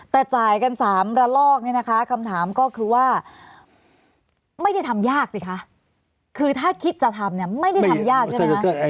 แต่จ่ายกัน๓ระลอกเนี่ยนะคะคำถามก็คือว่าไม่ได้ทำยากสิคะคือถ้าคิดจะทำเนี่ยไม่ได้ทำยากใช่ไหมคะ